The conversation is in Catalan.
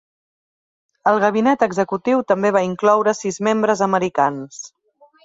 El Gabinet Executiu també va incloure sis membres americans.